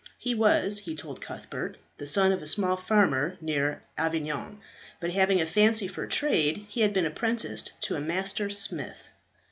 He was, he told Cuthbert, the son of a small farmer near Avignon; but having a fancy for trade, he had been apprenticed to a master smith.